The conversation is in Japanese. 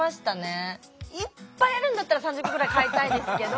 いっぱいあるんだったら３０個ぐらい買いたいですけど。